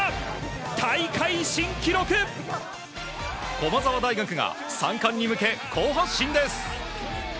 駒澤大学３冠に向け好発進です！